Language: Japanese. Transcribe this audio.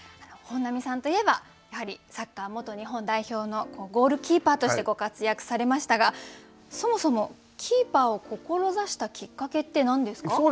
本並さんといえばやはりサッカー元日本代表のゴールキーパーとしてご活躍されましたがそもそもキーパーを志したきっかけって何ですか？